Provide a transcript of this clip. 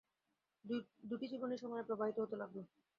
দুটি জীবনই সমানে প্রবাহিত হতে লাগল।